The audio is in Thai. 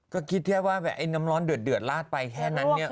ก็คิดแค่ว่าไอ้น้ำร้อนเดือดลาดไปแค่นั้นเนี่ย